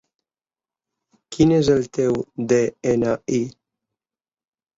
Quin és el teu de-ena-i?